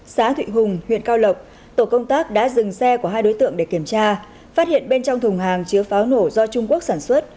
xã thụy hùng huyện cao lộc tổ công tác đã dừng xe của hai đối tượng để kiểm tra phát hiện bên trong thùng hàng chứa pháo nổ do trung quốc sản xuất